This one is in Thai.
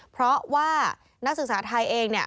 เพราะว่านักศึกษาไทยเอง